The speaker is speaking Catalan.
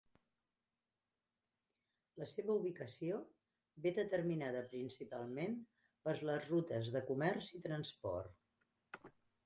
La seva ubicació ve determinada principalment per les rutes de comerç i transport.